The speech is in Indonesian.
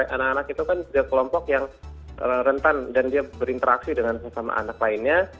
anak anak itu kan sudah kelompok yang rentan dan dia berinteraksi dengan sesama anak lainnya